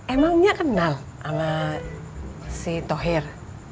emangnya kenal ala si tohir